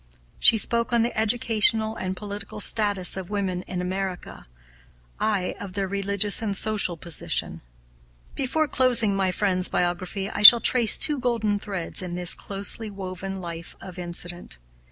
She spoke on the educational and political status of women in America, I of their religious and social position. Before closing my friend's biography I shall trace two golden threads in this closely woven life of incident.